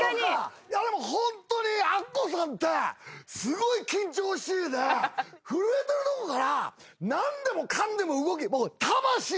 もうホントにアッコさんってすごい緊張しいで震えてるとこから何でもかんでも動き。